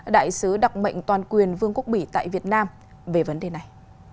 đại sứ đặc mệnh toàn quyền vương quốc bỉ tại việt nam về vấn đề này